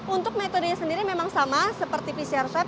untuk metodenya sendiri memang sama seperti pcr swab